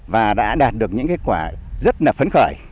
và đã đạt được những kết quả rất là phấn khởi